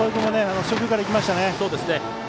初球から行きましたね。